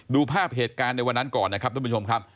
ดูภาพเหตุการณ์ในวันนั้นก่อนนะครับทุกผู้ชมครับ